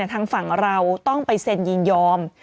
ทางฝั่งเราต้องไปเซ็นยินยอม